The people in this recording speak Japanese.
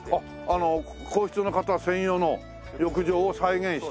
皇室の方専用の浴場を再現した？